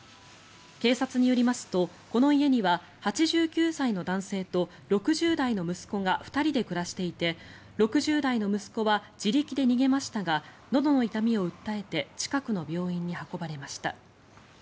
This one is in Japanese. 警察によりますとこの家には８９歳の男性と６０代の息子が２人で暮らしていて６０代の息子は自力で逃げましたがのどの痛みを訴えて近くの病院に運ばれました。